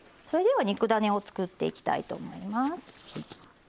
それでは肉だねを作っていきたいと思います。